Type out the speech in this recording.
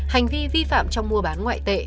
hành vi vi phạm trong mua bán ngoại tệ